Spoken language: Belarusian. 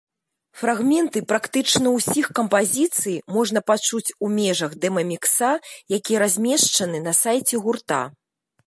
Фрагменты практычна ўсіх кампазіцый можна пачуць у межах дэма-мікса, які размешчаны на сайце гурта.